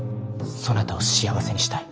そなたを幸せにしたい。